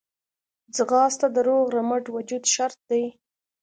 ځغاسته د روغ رمټ وجود شرط دی